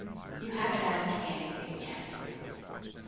"You haven't asked me anything yet!"